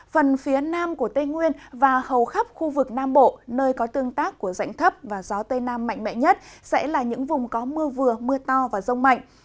phần phía nam của tây nguyên và hầu khắp khu vực nam bộ nơi có tương tác của dạnh thấp và gió tây nam mạnh mẽ nhất sẽ là những vùng có mưa vừa mưa to và rông mạnh